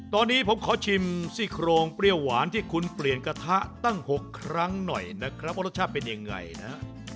ตอนนี้ผมขอชิมซี่โครงเปรี้ยวหวานที่คุณเปลี่ยนกระทะตั้ง๖ครั้งหน่อยนะครับว่ารสชาติเป็นยังไงนะฮะ